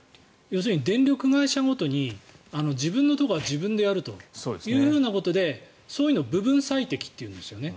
要するに電力会社ごとに自分のところは自分でやるということでそういうのを部分最適というんですよね。